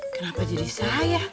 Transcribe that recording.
kenapa jadi saya